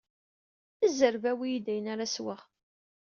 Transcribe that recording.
Zreb, awi-yi-d ayen ara sweɣ!